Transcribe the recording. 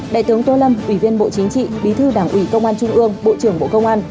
đại tướng tô lâm ủy viên bộ chính trị bí thư đảng ủy công an trung ương bộ trưởng bộ công an